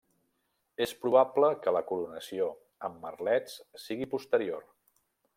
És probable que la coronació amb merlets sigui posterior.